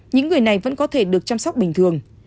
những người này vẫn có thể được chăm sóc bình thường